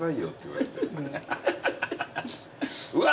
うわ！